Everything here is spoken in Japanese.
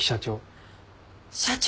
社長？